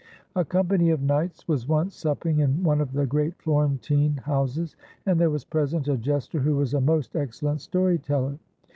"A company of knights was once supping in one of the great Florentine houses, and there was present a jester who was a most excellent story teller.